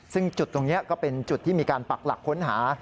ซึ่งจุดตรงนี้ก็เป็นจุดที่มีการปักหลักค้นหา